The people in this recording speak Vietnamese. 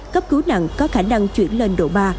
cấp cứu nặng có khả năng chuyển lên độ ba